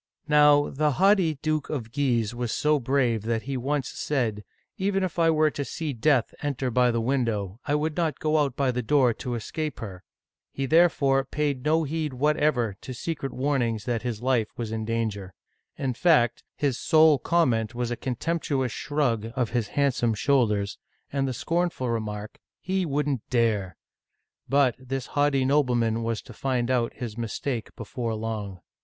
Now the haughty Duke of Guise was so brave that he once said, " Even if I were to see death enter by the window, I would not go out by the door to escape her." He there fore paid no heed whatever to secret warnings that his life was in danger. In fact, his sole comment was a con uigiTizea Dy vjiOOQlC (276) Digitized by Google HENRY III. (1574 1589) 277 temptuous shrug of his handsome shoulders, and the scornful remark, " He wouldn't dare !" But this haughty nobleman was to find out his mistake before long.